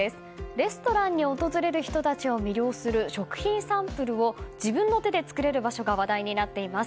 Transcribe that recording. レストランに訪れる人たちを魅了する食品サンプルを自分の手で作れる場所が話題になっています。